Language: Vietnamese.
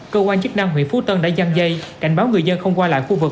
cơ quan chức năng huyện phú tân đã gian dây cảnh báo người dân không qua lại khu vực